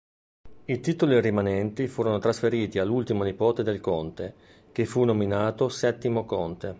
I titoli rimanenti furono trasferiti all'ultimo nipote del conte, che fu nominato settimo conte.